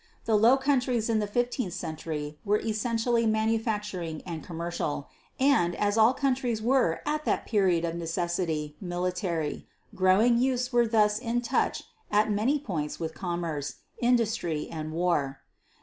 The Low Countries in the fifteenth century were essentially manufacturing and commercial, and, as all countries were at that period of necessity military, growing youths were thus in touch at many points with commerce, industry and war.